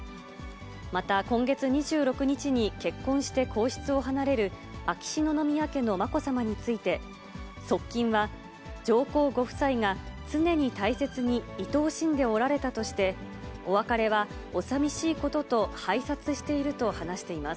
また今月２６日に結婚して皇室を離れる秋篠宮家のまこさまについて、側近は、上皇ご夫妻が常に大切にいとおしんでおられたとして、お別れはおさみしいことと拝察していると話しています。